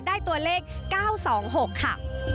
ได้ตัวเลข๙๒๖ค่ะ